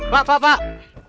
pak pak pak